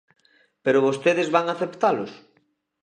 ¿Pero vostedes van aceptalos?